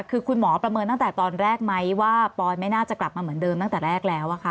คือคุณหมอประเมินตั้งแต่ตอนแรกไหมว่าปอยไม่น่าจะกลับมาเหมือนเดิมตั้งแต่แรกแล้วค่ะ